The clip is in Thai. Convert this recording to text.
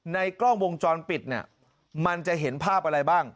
ในกล้องวงจรปิดเนี่ยมันจะเห็นภาพอะไรบ้าง